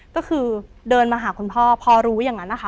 ก็คือเดินมาหาคุณพ่อพอรู้อย่างนั้นนะคะ